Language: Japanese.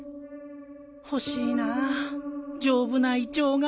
欲しいな丈夫な胃腸が